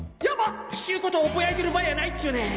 っちゅうことをボヤいてる場合やないっちゅうねん！